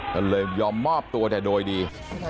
ก็เลยยอมมอบตัวแต่โดยดี